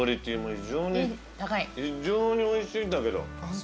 非常においしいんだけど。